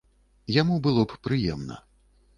Яму было б прыемна.